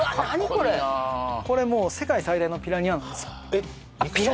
これこれもう世界最大のピラニアなんですよえっ肉食？